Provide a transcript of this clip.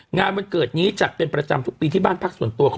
งานบันเกิดนี้จากเป็นประจำทุกปีที่บ้านพรรคส่วนตัว